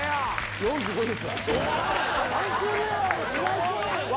４５ですわ。